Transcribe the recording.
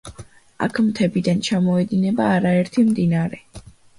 აქ მთებიდან ჩამოედინება არაერთი მდინარე.